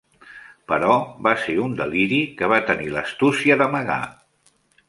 Però va ser un deliri que va tenir l'astúcia d'amagar.